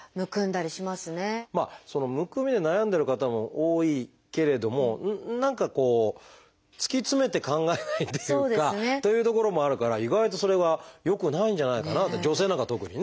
むくみで悩んでる方も多いけれども何かこう突き詰めて考えないというかというところもあるから意外とそれはよくないんじゃないかなと女性なんかは特にね。